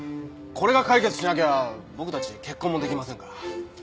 これが解決しなきゃ僕たち結婚も出来ませんから。